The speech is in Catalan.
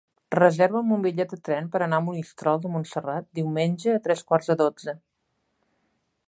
Reserva'm un bitllet de tren per anar a Monistrol de Montserrat diumenge a tres quarts de dotze.